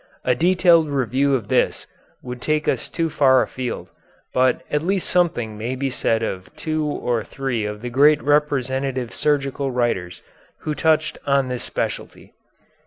A detailed review of this would take us too far afield, but at least something may be said of two or three of the great representative surgical writers who touched on this specialty.